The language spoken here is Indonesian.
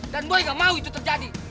dan boy gak mau itu terjadi